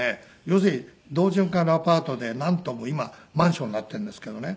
要するに同潤会のアパートで何棟も今マンションになってるんですけどね。